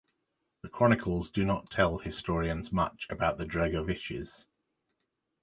The chronicles do not tell historians much about the Dregoviches.